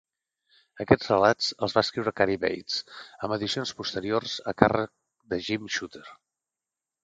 Aquests relats els va escriure Cary Bates, amb edicions posteriors a càrrec de Jim Shooter.